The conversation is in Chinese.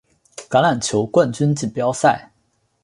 橄榄球冠军锦标赛。